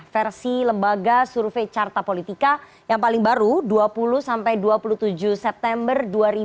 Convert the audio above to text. versi lembaga survei carta politika yang paling baru dua puluh sampai dua puluh tujuh september dua ribu dua puluh